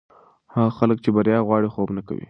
هغه خلک چې بریا غواړي، خوب نه کوي.